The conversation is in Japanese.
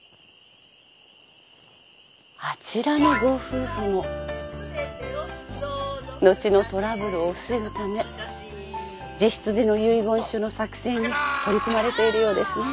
あちらのご夫婦も後のトラブルを防ぐため自筆での遺言書の作成に取り組まれているようですね。